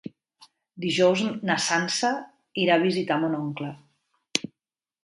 Dijous na Sança irà a visitar mon oncle.